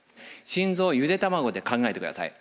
心臓をゆで卵で考えてください。